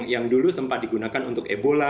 yang dulu sempat digunakan untuk ebola